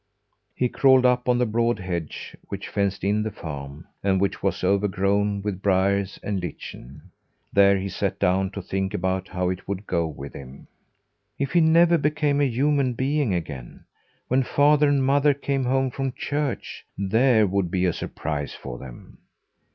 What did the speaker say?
He crawled up on the broad hedge which fenced in the farm, and which was overgrown with briers and lichen. There he sat down to think about how it would go with him, if he never became a human being again. When father and mother came home from church, there would be a surprise for them.